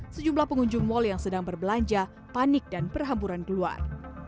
sejumlah pengunjung mal yang sedang berbelanja panik dan berhamburan keluar